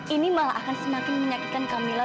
ini malah akan semakin menyakitkan camilla